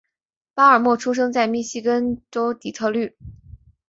巴尔默出生在密歇根州底特律。